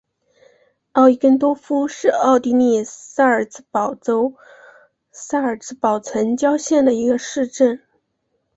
奥伊根多夫是奥地利萨尔茨堡州萨尔茨堡城郊县的一个市镇。